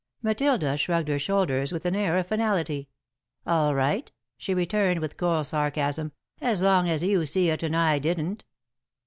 Matilda shrugged her shoulders with an air of finality. "All right," she returned, with cold sarcasm, "as long as you see it and I didn't."